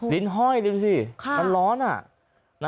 ลิ้นห้อยดูสิมันร้อนอ่ะ